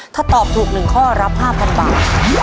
ถ้าตอบถูก๑ข้อรับ๕๐๐บาท